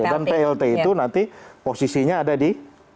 dan plt itu nanti posisinya ada di